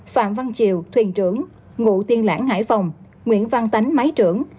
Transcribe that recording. phạm văn chiều thuyền trưởng ngụ tiên lãng hải phòng nguyễn văn tánh máy trưởng